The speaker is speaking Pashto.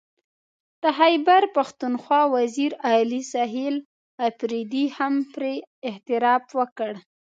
د خیبر پښتونخوا وزیر اعلی سهیل اپريدي هم پرې اعتراف وکړ